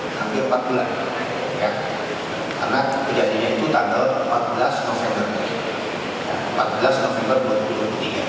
pertama penyelidikan yang diberikan keterangan adalah empat belas november dua ribu dua puluh tiga